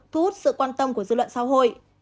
thu hút sự quan tâm của dư luận xã hội